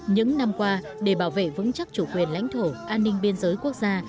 những năm qua để bảo vệ vững chắc chủ quyền lãnh thổ an ninh biên giới quốc gia